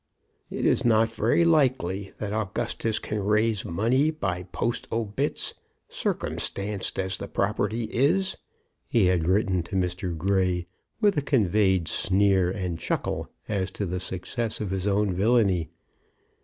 "It is not very likely that Augustus can raise money by post obits, circumstanced as the property is," he had written to Mr. Grey, with a conveyed sneer and chuckle as to the success of his own villany.